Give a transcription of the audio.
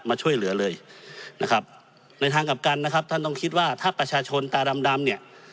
มาช่วยเหลือเลยนะครับในทางกลับกันนะครับท่านต้องคิดว่าถ้าประชาชนตาดำดำเนี่ย